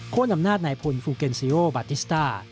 โค้นอำนาจนายพลฟูเกนซิโอบาร์ติสตาร์